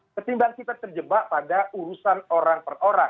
ketimbang kita terjebak pada urusan orang per orang